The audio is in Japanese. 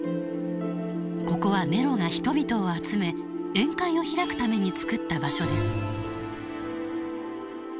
ここはネロが人々を集め宴会を開くために作った場所です。